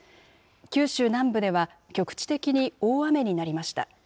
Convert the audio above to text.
九州南部では、局地的に大雨になりました。